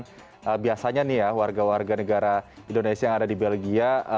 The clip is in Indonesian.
dengan biasanya warga warga negara indonesia yang ada di belgia